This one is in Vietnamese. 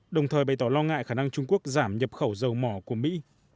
đồng thời bày tỏ lo ngại khả năng trung quốc giảm nhập khẩu dầu mỏ của mỹ